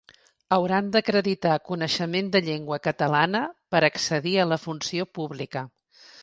Hauran d’acreditar coneixement de llengua catalana per accedir a la funció pública.